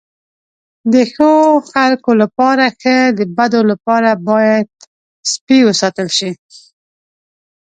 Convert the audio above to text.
د ښو خلکو لپاره ښه، د بدو لپاره باید سپي وساتل شي.